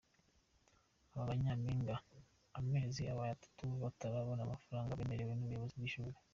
Aba ba Nyampinga amezi abaye atatu batarabona amafaranga bemerewe n'ubuyobozi bwi'ishuri.